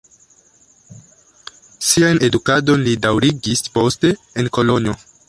Sian edukadon li daŭrigis poste en Kolonjo.